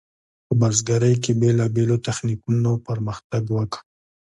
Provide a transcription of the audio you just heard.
په بزګرۍ کې بیلابیلو تخنیکونو پرمختګ وکړ.